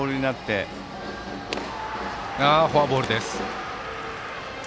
フォアボールです。